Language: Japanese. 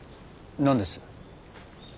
何です？